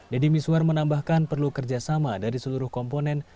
deddy miswar menambahkan perlu kerjasama dari seluruh komponen